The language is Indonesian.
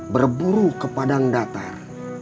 berburu ke padang datar